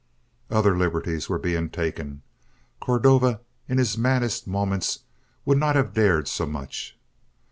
Other liberties were being taken; Cordova in his maddest moments would not have dared so much.